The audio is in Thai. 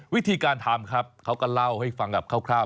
วิธีการทำครับเขาก็เล่าให้ฟังแบบคร่าว